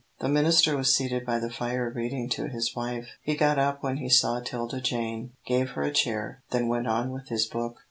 The minister was seated by the fire reading to his wife. He got up when he saw 'Tilda Jane, gave her a chair, then went on with his book.